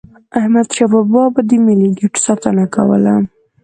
احمدشاه بابا به د ملي ګټو ساتنه کوله.